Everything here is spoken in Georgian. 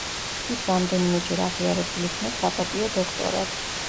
ის რამდენიმეჯერ აღიარებულ იქნა საპატიო დოქტორად.